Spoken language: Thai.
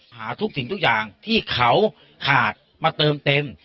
หาทุกสิ่งทุกอย่างที่เขาขาดมาเติมเต็ม